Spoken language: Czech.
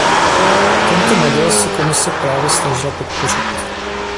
Tento model se Komise právě snažila podpořit.